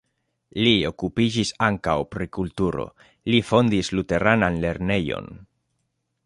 Li okupiĝis ankaŭ pri kulturo, li fondis luteranan lernejon.